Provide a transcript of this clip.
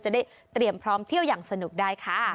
จะได้เตรียมพร้อมเที่ยวอย่างสนุกได้ค่ะ